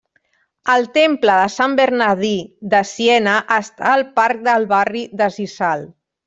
El temple de Sant Bernadí de Siena està al parc del barri de Sisal.